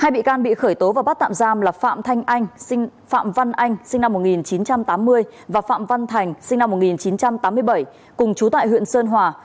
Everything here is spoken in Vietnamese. hai bị can bị khởi tố và bắt tạm giam là phạm thanh anh phạm văn anh sinh năm một nghìn chín trăm tám mươi và phạm văn thành sinh năm một nghìn chín trăm tám mươi bảy cùng chú tại huyện sơn hòa